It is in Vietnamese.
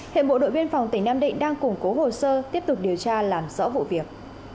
hiện bộ đội biên phòng tỉnh nam định đang củng cố hồ sơ tiếp tục điều tra làm rõ vụ việc